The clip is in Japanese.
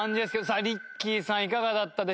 さあＲＩＣＫＹさんいかがだったでしょうか？